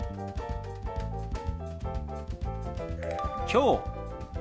「きょう」。